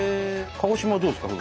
鹿児島はどうですか？